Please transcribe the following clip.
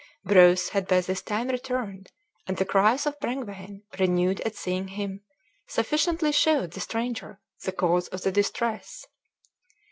Breuse had by this time returned, and the cries of Brengwain, renewed at seeing him, sufficiently showed the stranger the cause of the distress.